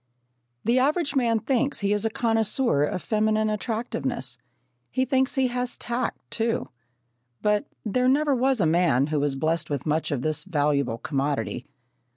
The average man thinks he is a connoisseur of feminine attractiveness. He thinks he has tact, too, but there never was a man who was blessed with much of this valuable commodity.